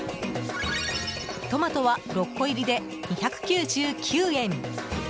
トマトは６個入りで２９９円。